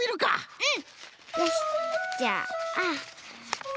うん。